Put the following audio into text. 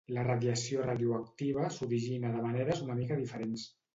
La radiació radioactiva s'origina de maneres una mica diferents.